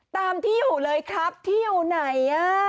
ตามที่อยู่เลยครับที่อยู่ไหน